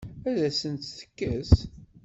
Ad asent-tt-tekkes?